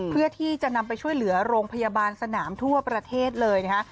เพื่อที่จะนำไปช่วยเหลือโรงพยาบาลสนามทั่วประเทศเลยนะคะ